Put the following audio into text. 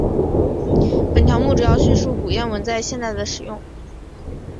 本条目主要叙述古谚文在现代的使用。